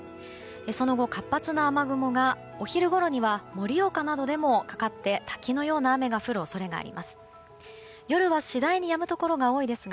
その後、活発な雨雲がお昼ごろには盛岡などでもかかって滝のような雨が降る恐れがあります。